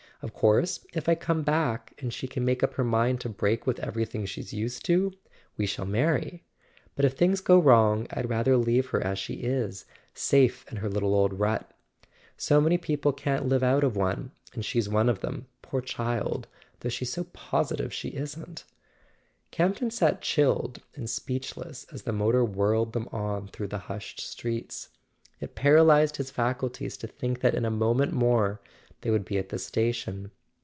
Of course, if I come back, and she can make up her mind to break with everything she's used to, we shall marry; but if things go wrong I'd rather leave her as she is, safe in her little old rut. So many people can't live out of one —and she's one of them, poor child, though she's so positive she isn't." Campton sat chilled and speechless as the motor whirled them on through the hushed streets. It paralyzed his faculties to think that in a moment more they would be at the station.